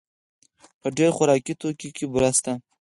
په ډېر خوراکي توکو کې بوره شته.